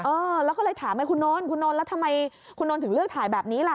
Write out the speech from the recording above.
เออแล้วก็เลยถามให้คุณนนท์คุณนนท์แล้วทำไมคุณนนท์ถึงเลือกถ่ายแบบนี้ล่ะ